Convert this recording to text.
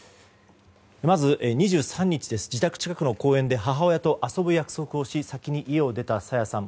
まず２３日、自宅近くの公園で母親と遊ぶ約束し先に家を出た朝芽さん。